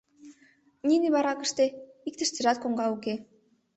Нине баракыште иктыштыжат коҥга уке.